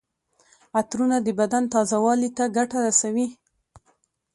عطرونه د بدن تازه والي ته ګټه رسوي.